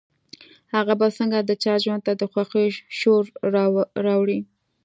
هغه به څنګه د چا ژوند ته د خوښيو شور راوړي.